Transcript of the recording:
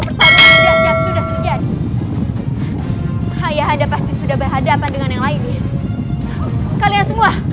pertanyaan ya sudah terjadi hai ayah ada pasti sudah berhadapan dengan yang lainnya kalian semua